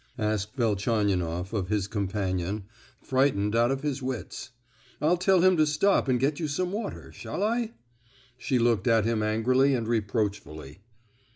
asked Velchaninoff of his companion, frightened out of his wits: "I'll tell him to stop and get you some water, shall I?" She looked at him angrily and reproachfully.